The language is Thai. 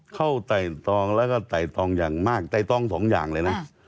ไต่ตองแล้วก็ไต่ตองอย่างมากไต่ตองสองอย่างเลยนะ